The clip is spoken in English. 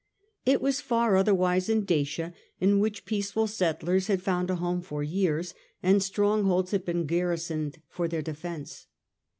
It was far otherwise in Dacia, in which peaceful settlers had found a home for years, and strongholds had been gar risoned for their defence.